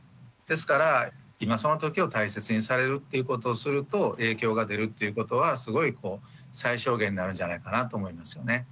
ですから今そのときを大切にされるっていうことをすると影響が出るっていうことはすごいこう最小限になるんじゃないかなと思いますよね。